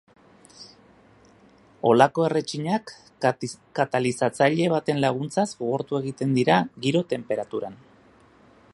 Holako erretxinak, katalizatzaile baten laguntzaz, gogortu egiten dira giro-tenperaturan.